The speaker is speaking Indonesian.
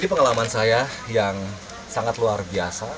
ini pengalaman saya yang sangat luar biasa